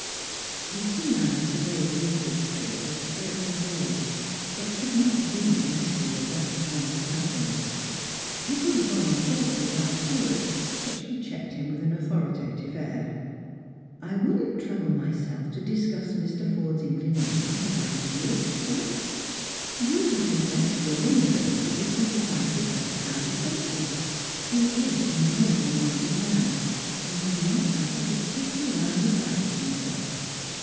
His keen eyes surveyed Elizabeth's face with a searching gaze. Strangert and Pilgrims. 115 but could not read the mystery of that splendid countenance. He would have gone on talking about the Curate, but she checked him with an authoritative air. " I wouldn't trouble myself to discuss Mr. Forde's inclina tions, if I were 3'on," she said ;•' you have confessed your inability to sym])athise with that kind of person. He is a noble minded man, who has marked out a particular line of life for himself.